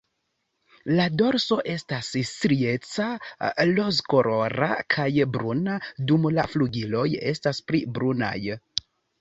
La dorso estas strieca rozkolora kaj bruna, dum la flugiloj estas pli brunaj.